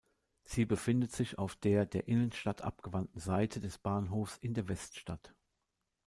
Sie befindet sich auf der der Innenstadt abgewandten Seite des Bahnhofs in der Weststadt.